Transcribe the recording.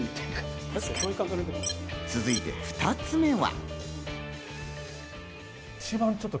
続いて２つ目は。